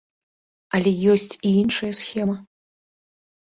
Але ёсць і іншая схема.